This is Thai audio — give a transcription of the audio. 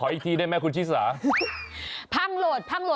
ออกไปก่อนสัง